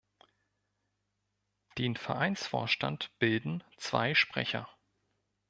Den Vereinsvorstand bilden zwei Sprecher.